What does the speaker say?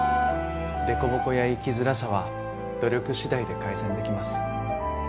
凸凹や生きづらさは努力次第で改善できます。